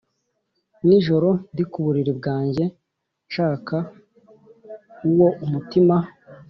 Nijoro ndi ku buriri bwanjye Nshaka uwo umutima